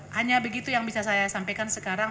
hanya begitu yang bisa saya sampaikan sekarang